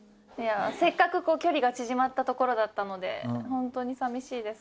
せっかく距離が縮まったところだったのでホントに寂しいです。